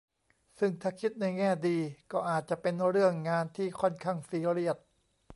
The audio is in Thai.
ซึ่งถ้าคิดในแง่ดีก็อาจจะเป็นเรื่องงานที่ค่อนข้างซีเรียส